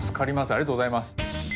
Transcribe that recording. ありがとうございます。